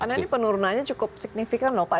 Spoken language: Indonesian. karena ini penurunannya cukup signifikan lho pak